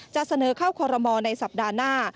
จะเสนอเข้าคอรมอลในสัปดาห์หน้า